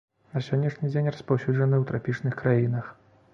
На сённяшні дзень распаўсюджаны ў трапічных краінах.